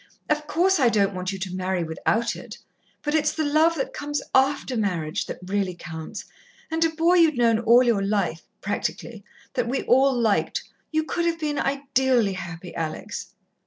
"Of course, I don't want you to marry without it. But it's the love that comes after marriage that really counts and a boy you'd known all your life, practically that we all liked you could have been ideally happy, Alex."